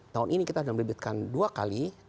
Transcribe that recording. tahun ini kita sudah menerbitkan dua kali